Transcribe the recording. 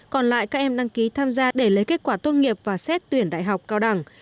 còn lại các em đăng ký tham gia để lấy kết quả tốt nghiệp và xét tuyển đại học cao đẳng